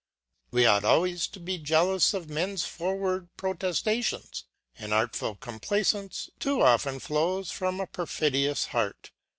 We ought always to be jealous of men's forward proteftations : an artful complaifance too often flows from a perfidious heart.